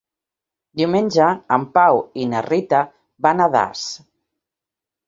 Diumenge en Pau i na Rita van a Das.